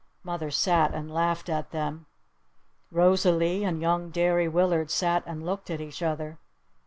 Mother sat and laughed at them! Rosalee and young Derry Willard sat and looked at each other.